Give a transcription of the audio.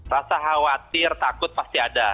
rasa khawatir takut pasti ada